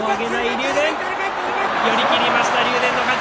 寄り切りました、竜電の勝ち。